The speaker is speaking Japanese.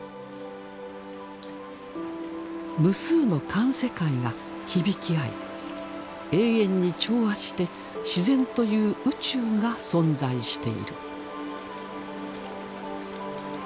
無数の環世界が響き合い永遠に調和して自然という宇宙が存在している。